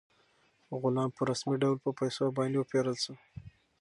غلام په رسمي ډول په پیسو باندې وپېرل شو.